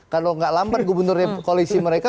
kalau nggak lambat gubernurnya koalisi mereka